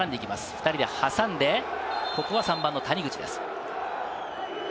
２人で挟んで、ここは谷口です。